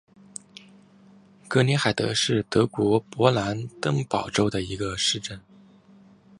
格林海德是德国勃兰登堡州的一个市镇。